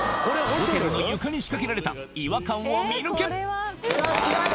ホテルの床に仕掛けられた違和感を見抜け！